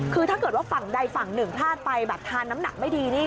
คือถ้าเกิดว่าฝั่งใดฝั่งหนึ่งพลาดไปแบบทานน้ำหนักไม่ดีนี่